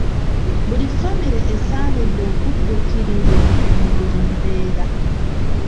Buli famire esaanidde okudduukirirwa mu buli mbeera.